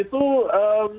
itu bulan oktober